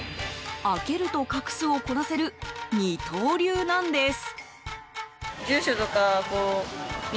開けると隠すをこなせる二刀流なんです。